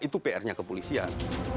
itu prnya kepolisian